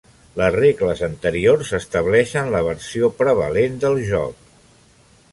Les regles anteriors estableixen la versió prevalent del joc.